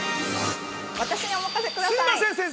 私にお任せください。